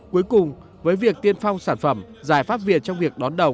cuối cùng với việc tiên phong sản phẩm giải pháp việt trong việc đón đầu